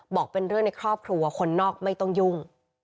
บอกเป็นเรื่องในครอบครัวคนนอกไม่ต้องยุ่ง